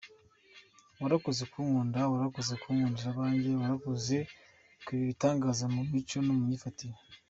Warakoze kunkunda, warakoze kunkundira abanjye, Warakoze kuba igitangaza mu mico no mu myifatire.